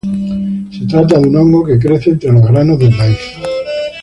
Se trata de un hongo que crece entre los granos del maíz.